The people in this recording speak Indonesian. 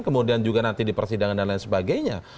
kemudian juga nanti di persidangan dan lain sebagainya